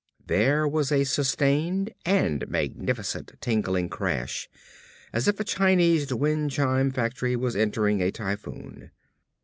There was a sustained and magnificent tinkling crash as if a Chinese wind chime factory was entertaining a typhoon.